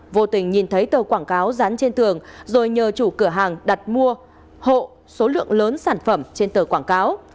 vô tình nhìn thấy tờ quảng cáo dán trên tường rồi nhờ chủ cửa hàng đặt mua hộ số lượng lớn sản phẩm trên tờ quảng cáo